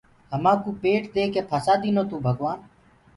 همآنڪو پيٽ ديڪي ڦسآ دينو توڀگوآن